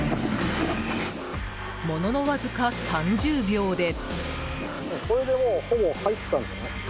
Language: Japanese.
もののわずか３０秒で。